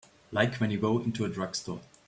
Like when you go into a drugstore.